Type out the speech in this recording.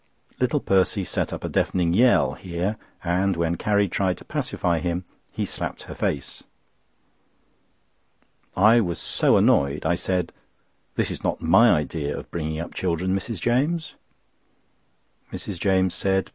Little Percy set up a deafening yell here, and when Carrie tried to pacify him, he slapped her face. I was so annoyed, I said: "That is not my idea of bringing up children, Mrs. James." Mrs. James said.